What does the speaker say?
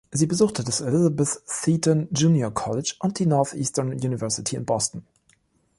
Sie besuchte das Elizabeth Seton Junior College und die Northeastern University in Boston.